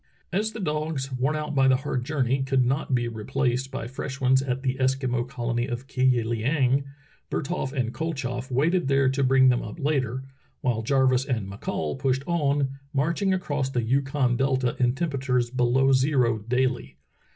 As the dogs, worn out by the hard journey, could not be replaced by fresh ones at the Eskimo colony of Ki yi Iieng, Bertholf and KoltchofF waited there to bring them up later, while Jarvis and McCall pushed on, marching across the Yukon delta in temperatures below zero daily.